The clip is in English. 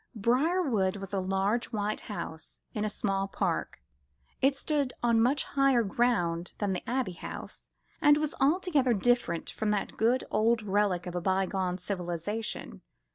Briarwood was a large white house in a small park. It stood on much higher ground than the Abbey House, and was altogether different from that good old relic of a bygone civilisation.